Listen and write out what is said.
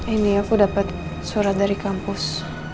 ini aku dapat surat dari kampus